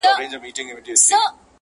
نو ایله یې له کوټې څخه بهر کړ-